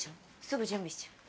すぐ準備しちゃう。